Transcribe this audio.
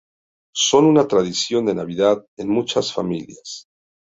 Son una tradición de Navidad en muchas familias.